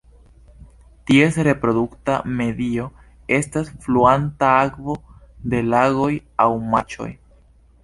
Ties reprodukta medio estas fluanta akvo de lagoj aŭ marĉoj.